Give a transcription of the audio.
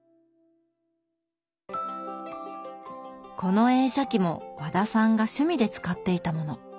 この映写機も和田さんが趣味で使っていたもの。